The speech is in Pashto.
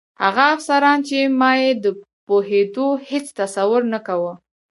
هغه افسران چې ما یې د پوهېدو هېڅ تصور نه کاوه.